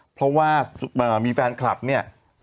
เพราะว่ามีแฟนคลับเนี่ย